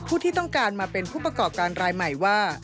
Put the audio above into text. ที่ต้องการมาเป็นผู้ประกอบการรายใหม่ว่า